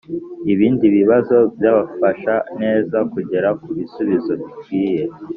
ibindi bibazo byabafasha neza kugera ku bisubizo bikwiye.